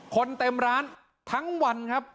คนเต็มร้านทั้งวันครับ